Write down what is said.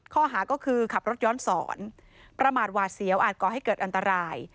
ข้อหาก็คือขับรถย้อนสอนประมาทหวาดเสียวอาจก่อให้เกิดอันตราย